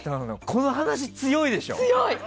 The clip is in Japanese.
この話、強いでしょ？